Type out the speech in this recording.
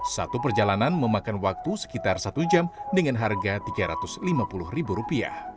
satu perjalanan memakan waktu sekitar satu jam dengan harga rp tiga ratus lima puluh